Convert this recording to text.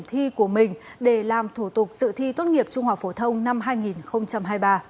thi của mình để làm thủ tục sự thi tốt nghiệp trung hòa phổ thông năm hai nghìn hai mươi ba